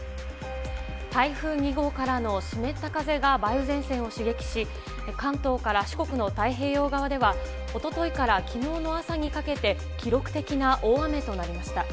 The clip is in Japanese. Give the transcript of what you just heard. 台風２号からの湿った風が梅雨前線を刺激し、関東から四国の太平洋側では、おとといからきのうの朝にかけて、記録的な大雨となりました。